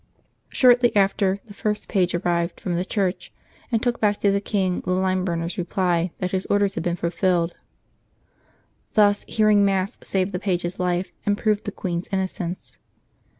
Shortly after, the first page arrived from the church, and took back to the king the lime burner's reply that his orders had been fulfilled. Thus hearing Mass saved the page's life and proved the queen's innocence.